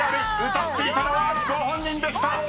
歌っていたのはご本人でした］